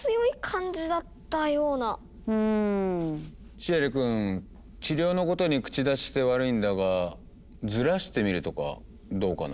シエリくん治療のことに口出しして悪いんだがずらしてみるとかどうかな？